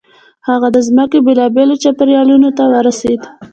هغه د ځمکې بېلابېلو چاپېریالونو ته ورسېد.